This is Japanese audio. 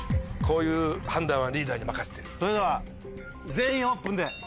それでは「全員オープン」で。